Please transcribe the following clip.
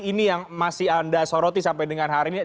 ini yang masih anda soroti sampai dengan hari ini